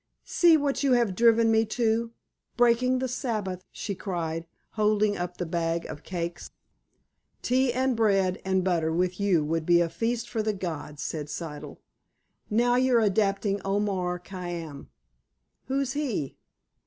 "See what you have driven me to—breaking the Sabbath," she cried, holding up the bag of cakes. "Tea and bread and butter with you would be a feast for the gods," said Siddle. "Now you're adapting Omar Khayyam." "Who's he?"